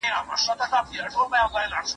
په قسمت مي وصال نه وو رسېدلی